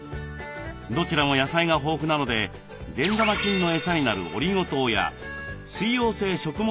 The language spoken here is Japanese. どちらも野菜が豊富なので善玉菌のエサになるオリゴ糖や水溶性食物